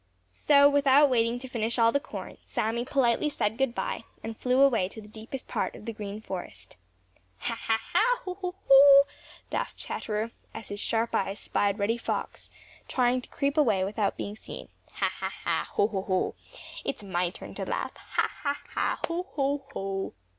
So without waiting to finish all the corn, Sammy politely said good by and flew away to the deepest part of the Green Forest. "Ha, ha, ha! Ho, ho, ho!" laughed Chatterer, as his sharp eyes spied Reddy Fox, trying to creep away without being seen. "Ha, ha, ha! Ho, ho, ho! It's my turn to laugh. Ha, ha, ha! Ho, ho, ho!"